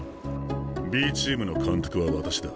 Ｂチームの監督は私だ。